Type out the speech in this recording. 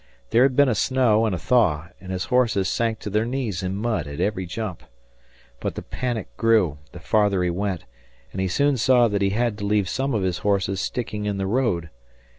There had been a snow and a thaw, and his horses sank to their knees in mud at every jump. But the panic grew, the farther he went, and he soon saw that he had to leave some of his horses sticking in the road.